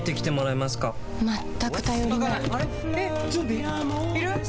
えっ！